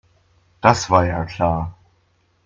Das war ja klar.